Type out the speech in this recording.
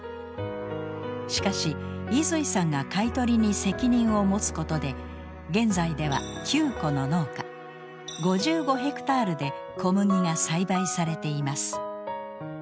しかし出井さんが買い取りに責任を持つことで現在では９戸の農家５５ヘクタールで小麦が栽培されています。